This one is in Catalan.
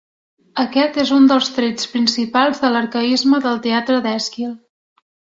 Aquest és un dels trets principals de l'arcaisme del teatre d'Èsquil.